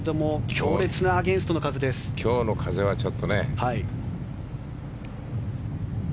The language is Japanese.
今日の風はちょっとね。